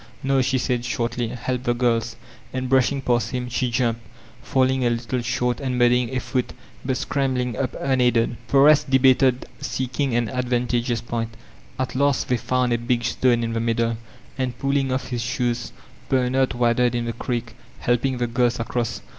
"No," she said shortly, "help the girls," and brushing past him she jumped, falling a little short and muddying a foot, but scrambling up unaided. The rest debated seeking an advantageous point At last they found a big stone in the middle, and pulling off his shoes, Bernard waded in the creek, helping the girls across.